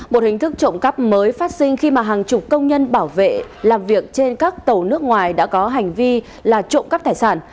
một hình thức trộm cắp mới phát sinh khi mà hàng chục công nhân bảo vệ làm việc trên các tàu nước ngoài đã có hành vi là trộm cắp tài sản